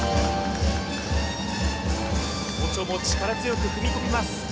オチョも力強く踏み込みます